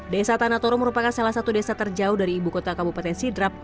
desa tanatoro merupakan salah satu desa terjauh dari ibu kota kabupaten sidrap